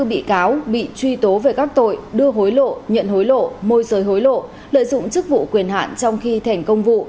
hai mươi bị cáo bị truy tố về các tội đưa hối lộ nhận hối lộ môi giới hối lộ lợi dụng chức vụ quyền hạn trong khi thành công vụ